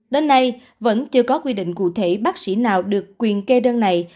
đến nay vẫn chưa có quy định cụ thể bác sĩ nào được quyền kê đơn này